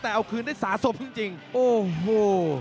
แต่เอาคืนได้สาสมจริงโอ้โห